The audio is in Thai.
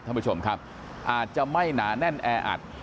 ท่านผู้ชมครับอาจจะไม่หนาแน่นแออัด